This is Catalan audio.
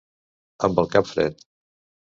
Amb el cap fred.